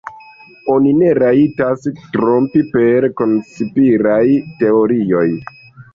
Oni ne rajtas trompi per konspiraj teorioj.